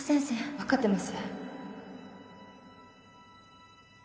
分かってます